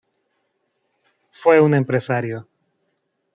Fue un empresario.